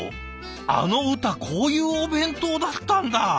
あの歌こういうお弁当だったんだ。